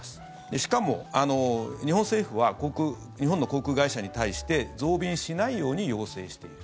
しかも、日本政府は日本の航空会社に対して増便しないように要請している。